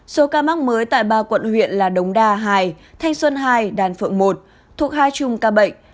số ca mắc mới tại ba quận huyện là đống đa hai thanh xuân hai đàn phượng một thuộc hai chung ca bệnh